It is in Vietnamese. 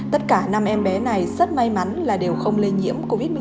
tất cả năm em bé này rất may mắn là đều không lây nhiễm covid một mươi chín